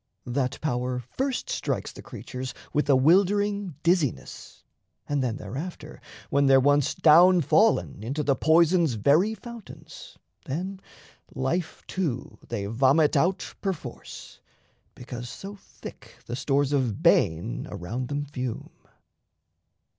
That power first strikes The creatures with a wildering dizziness, And then thereafter, when they're once down fallen Into the poison's very fountains, then Life, too, they vomit out perforce, because So thick the stores of bane around them fume.